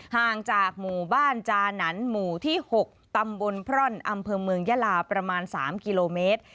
ห่างจากหมู่บ้านจานันหมู่ที่๖ตำบลพร่อนอำเภอเมืองยาลาประมาณ๓กิโลเมตร